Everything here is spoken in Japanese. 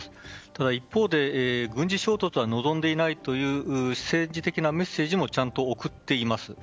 ただ、一方で軍事衝突は望んでいないという政治的なメッセージもちゃんと送っています。